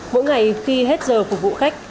mỗi ngày khi hết giờ phục vụ khách